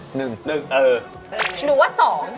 หนูว่า๒